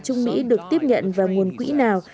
trung mỹ được tiếp nhận và nguồn quỹ nào